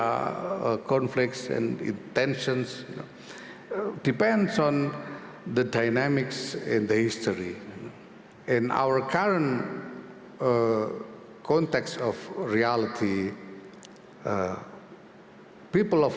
retno juga menyampaikan bahwa dia akan menjelaskan keberpihakan indonesia terhadap palestina